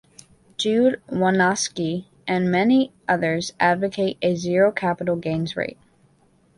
Jude Wanniski and many others advocate a zero capital gains rate.